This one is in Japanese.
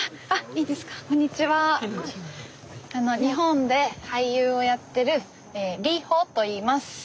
日本で俳優をやってる里帆といいます。